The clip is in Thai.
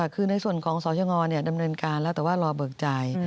คือในส่วนของสยงดำเนินการแล้วแต่ว่ารอเบิกจ่าย